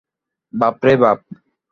বাপরে বাপ!